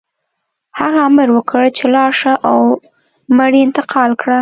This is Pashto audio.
هغه امر وکړ چې لاړ شه او مړي انتقال کړه